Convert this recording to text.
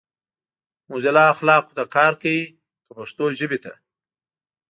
موزیلا اخلاقو ته کار کوي کۀ پښتو ژبې ته؟